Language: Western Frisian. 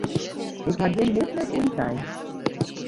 Ik haw gjin mis wurd oer dy sein.